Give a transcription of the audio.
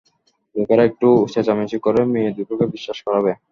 লোকেরা একটু চেঁচামেচি করে মেয়ে দুটোকে বিশ্বাস করাবে।